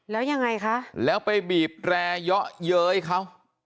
แล้วยังไงคะแล้วไปบีบแร่เยาะเย้ยเขา